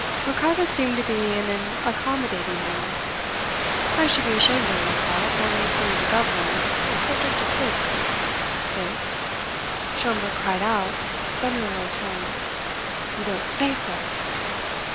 Ricardo seemed to be in an accommodating mood. "I should be ashamed of it myself, only you see the governor is subject to fits " "Fits!" Schomberg cried out, but in a low tone. "You don't say so!"